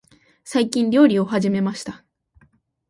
最近、料理を始めました。